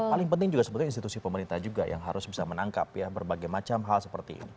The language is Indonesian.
paling penting juga sebetulnya institusi pemerintah juga yang harus bisa menangkap ya berbagai macam hal seperti ini